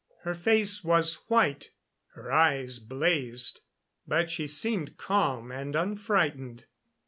Her face was white; her eyes blazed, but she seemed calm and unfrightened.